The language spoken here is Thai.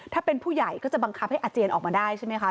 ถ้าเป็นผู้ใหญ่ก็จะบังคับให้อาเจียนออกมาได้ใช่ไหมคะ